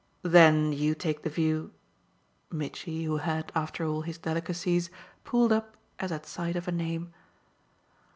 "Then you take the view ?" Mitchy, who had, after all, his delicacies, pulled up as at sight of a name.